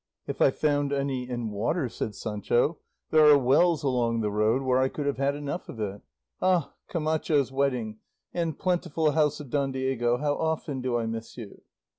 "If I found any in water," said Sancho, "there are wells along the road where I could have had enough of it. Ah, Camacho's wedding, and plentiful house of Don Diego, how often do I miss you!"